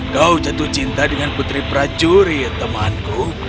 kau jatuh cinta dengan putri prajurit temanku